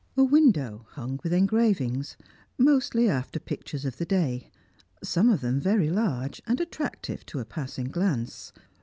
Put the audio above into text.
A window hung with engravings, mostly after pictures of the day; some of them very large, and attractive to a passing glance.